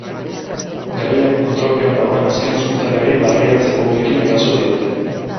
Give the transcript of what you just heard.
Gerrilaren kontrolpean dagoen azken ospitaleari barreiatze-bonbekin eraso diote.